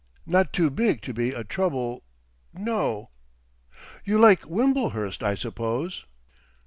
Not too big to be a trouble—no. You like Wimblehurst, I suppose?"